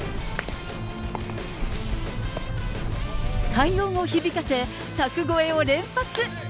快音を響かせ、柵越えを連発。